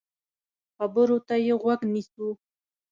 خبرو ته يې غوږ نیسو.